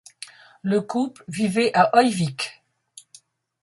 Le couple vivait à Hoyvík.